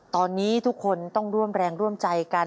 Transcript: ตอนนี้ทุกคนต้องร่วมแรงร่วมใจกัน